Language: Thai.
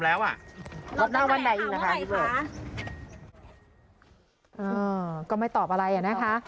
อ่าก็ไม่ตอบอะไรอะนะคะ